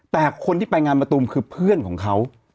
แต่คนที่ไปงานมะตูมคือเพื่อนของเขา